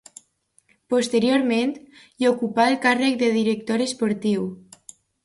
Posteriorment, hi ocupà el càrrec de director esportiu.